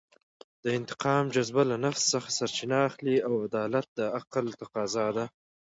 د انتقام جذبه له نفس څخه سرچینه اخلي او عدالت د عقل تفاضا ده.